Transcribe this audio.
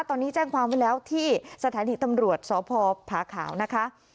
ตอนนี้แจ้งความไว้แล้วที่สถานีตำรวจสพผาขาวนะคะ